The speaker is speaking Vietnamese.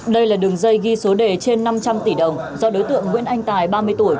đây là đường dây ghi số đề trên năm trăm linh tỷ đồng do đối tượng nguyễn anh tài ba mươi tuổi